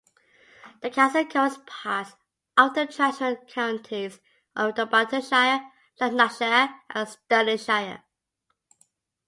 The council covers parts of the traditional counties of Dunbartonshire, Lanarkshire and Stirlingshire.